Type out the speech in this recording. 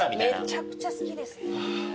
めちゃくちゃ好きですね。